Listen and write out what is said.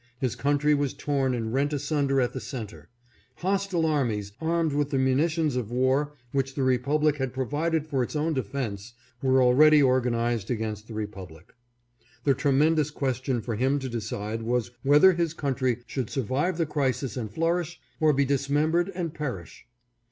His country was torn and rent asunder at the center. Hostile armies, armed with the munitions of war which the republic had pro vided for its own defense, were already organized against the republic. The tremendous question for him to decide was whether his country should survive the crisis and flourish, or be dismembered and perish.